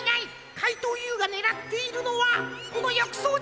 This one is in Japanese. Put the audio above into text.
かいとうＵがねらっているのはこのよくそうじゃ！